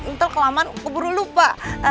ntar kelaman keburu lupa